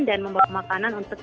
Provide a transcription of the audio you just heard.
dan membuat makanan untuk